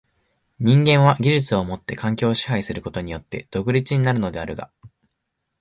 人間は技術をもって環境を支配することによって独立になるのであるが、